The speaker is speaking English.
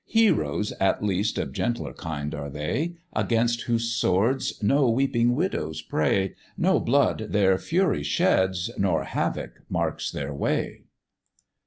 Heroes at least of gentler kind are they, Against whose swords no weeping widows pray, No blood their fury sheds, nor havoc marks their way.